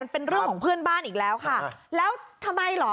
เป็นเรื่องของเพื่อนบ้านอีกแล้วค่ะแล้วทำไมเหรอ